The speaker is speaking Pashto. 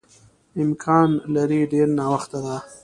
امکان لري ډېر ناوخته ده.